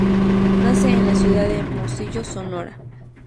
Nace en la ciudad de Hermosillo, Sonora.